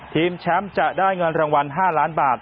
ทีมแชมป์จะได้เงินรางวัล๕ล้านบาท